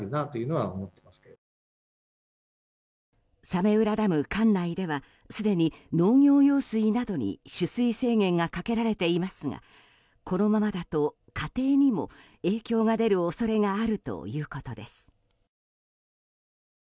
早明浦ダム管内ではすでに農業用水などに取水制限がかけられていますがこのままだと家庭にも影響が出る恐れがあるということです。